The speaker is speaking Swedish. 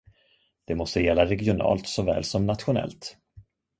Det måste gälla regionalt såväl som nationellt.